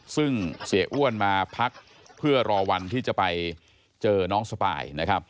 ซึ่งเสียอ้วนมาพักเพื่อรอวันที่จะไปเจอน้องสปายนะครับ